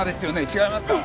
違いますか？